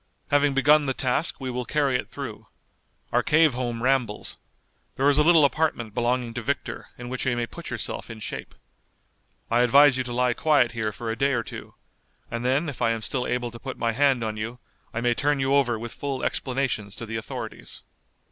Having begun the task we will carry it through. Our cave home rambles. There is a little apartment belonging to Victor, in which you may put yourself in shape. I advise you to lie quiet here for a day or two, and then if I am still able to put my hand on you I may turn you over with full explanations to the authorities."